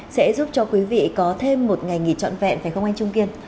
sẽ giúp cho quý vị có thêm một ngày nghỉ trọn vẹn phải không anh trung kiên